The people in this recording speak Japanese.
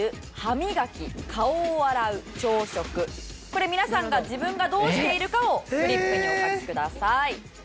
これ皆さんが自分がどうしているかをフリップにお書きください。